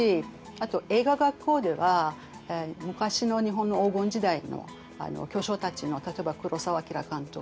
あと映画学校では昔の日本の黄金時代の巨匠たちの例えば黒澤明監督